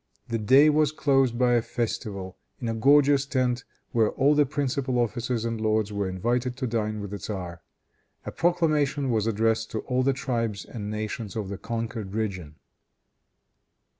The day was closed by a festival, in a gorgeous tent, where all the principal officers and lords were invited to dine with the tzar. A proclamation was addressed to all the tribes and nations of the conquered region.